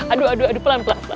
aduh aduh aduh pelan pelan pelan